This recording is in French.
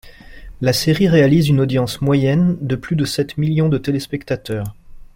La série réalise une audience moyenne de plus de sept millions de téléspectateurs.